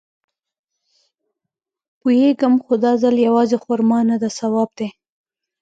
پوېېږم خو دا ځل يوازې خرما نده ثواب دی.